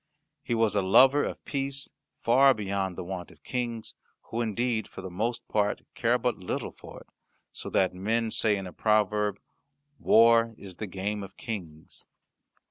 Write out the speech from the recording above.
He was a lover of peace far beyond the wont of Kings, who indeed, for the most part, care but little for it, so that men say in a proverb, "War is the game of Kings."